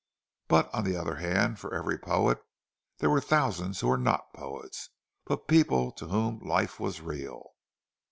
But, on the other hand, for every poet, there were thousands who were not poets, but people to whom life was real.